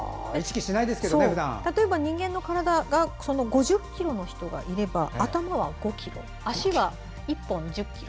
例えば、人間の体が５０ｋｇの人がいれば頭は５ｋｇ、足が１本１０ｋｇ。